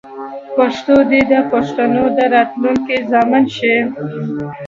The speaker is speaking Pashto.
پښتو دې د پښتنو د راتلونکې ضامن شي.